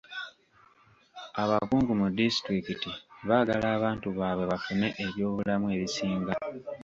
Abakungu mu disitulikiti baagala abantu baabwe bafune ebyobulamu ebisinga.